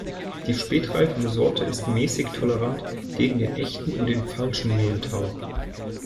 Die spätreifende Sorte ist mäßig tolerant gegen den Echten und den Falschen Mehltau.